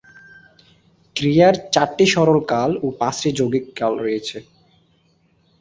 ক্রিয়ার চারটি সরল কাল ও পাঁচটি যৌগিক কাল আছে।